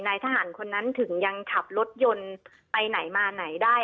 ทหารคนนั้นถึงยังขับรถยนต์ไปไหนมาไหนได้